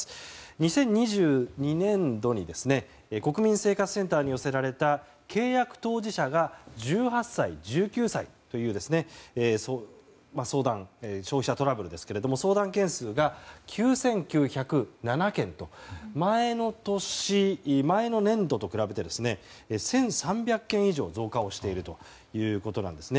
２０２２年度に国民生活センターに寄せられた契約当事者が１８歳、１９歳という相談消費者トラブルですけれども相談件数が９９０７件と前の年度と比べて１３００件以上増加をしているということです。